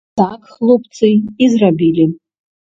Так хлопцы і зрабілі.